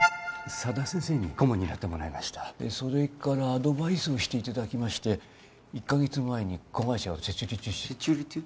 佐田先生に顧問になってもらいましたそれからアドバイスをしていただきまして１カ月前に子会社をせちゅりちゅせちゅりちゅ？